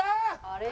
あれ？